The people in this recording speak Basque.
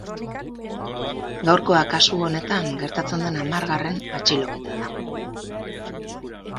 Gaurkoa kasu honetan gertatzen den hamargarren atxiloketa da.